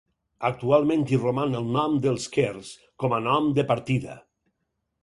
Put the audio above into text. Actualment hi roman el nom dels Quers, com a nom de partida.